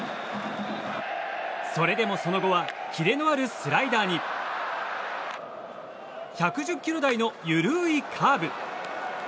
それでも、その後はキレのあるスライダーに１１０キロ台の緩いカーブ。